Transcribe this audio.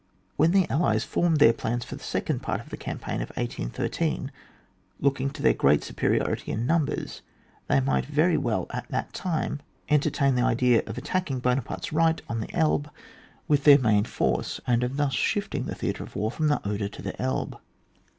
When the allies formed their plan for the second part of the campaign of 1813, looking to their great superiority in numbers, they might very well at that time entertain the idea of attacking Buonaparte's right on the Elbe with their main force, and (ff thus shiftily * the theatre of war from the Oder to the^ Elbe.